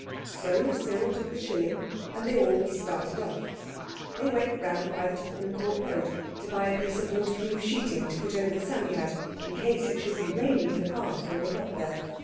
So Cyril took the shilling, and they all started off. They went round by the Tottenham Court Road to buy a piece of waterproof sheeting to put over the Psammead in case it should be raining in the Past when they got there.